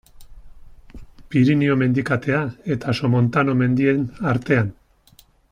Pirinio mendikatea eta Somontano mendien artean.